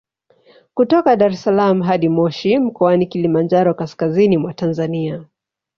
Kutoka Dar es salaam hadi Moshi mkoani Kilimanjaro kaskazini mwa Tanzania